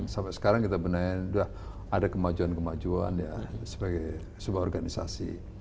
sampai sekarang kita benahi sudah ada kemajuan kemajuan sebagai sebuah organisasi